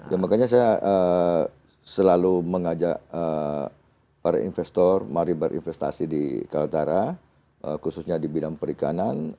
ya makanya saya selalu mengajak para investor mari berinvestasi di kaltara khususnya di bidang perikanan